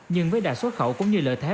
nhưng với đạt xuất khẩu cũng như lợi thế